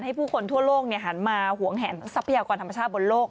ผู้คนทั่วโลกหันมาหวงแหนทรัพยากรธรรมชาติบนโลก